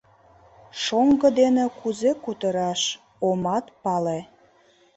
Шоҥго дене кузе кутыраш — омат пале.